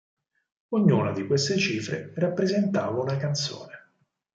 Ognuna di queste cifre rappresentava una canzone.